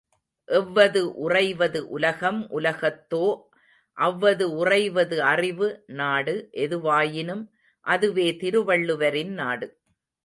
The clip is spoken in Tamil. எவ்வது உறைவது உலகம் உலகத்தோ அவ்வது உறைவது அறிவு நாடு எதுவாயினும் அதுவே திருவள்ளுவரின் நாடு!